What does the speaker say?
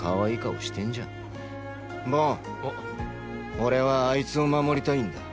俺はあいつを守りたいんだ。